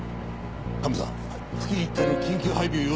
カメさん付近一帯の緊急配備を要請してくれ。